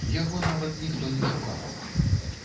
Яго нават ніхто не шукаў.